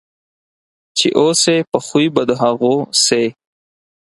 چې اوسې په خوی په د هغو سې.